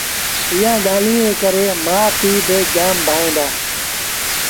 ايٚئآݩ ڳآليٚن ري ڪري مآ پي با جآم ڀائيٚݩ دآ